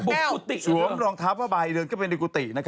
บุกกุติสวมรองทาพว่าบ่ายเดือนก็เป็นในกุติ